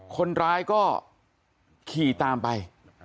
คนร้ายก็ขี่ตามไป